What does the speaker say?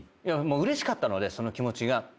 うれしかったのでその気持ちが。